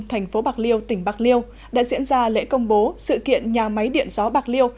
thành phố bạc liêu tỉnh bạc liêu đã diễn ra lễ công bố sự kiện nhà máy điện gió bạc liêu